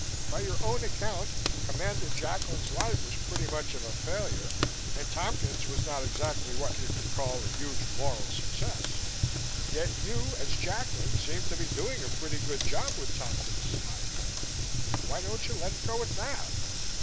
By your own account, Commander Jacklin's life was pretty much of a failure and Tompkins was not exactly what you could call a huge moral success. Yet you, as Jacklin, seem to be doing a pretty good job with Tompkins' life. Why don't you let it go at that?"